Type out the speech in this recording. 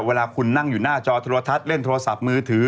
เวลาคุณนั่งอยู่หน้าจอโทรทัศน์เล่นโทรศัพท์มือถือ